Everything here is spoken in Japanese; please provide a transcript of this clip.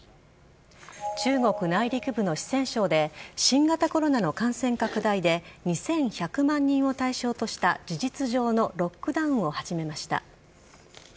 中国内陸部の四川省で新型コロナの感染拡大で２１００万人を対象とした事実上のロックダウンを始めました。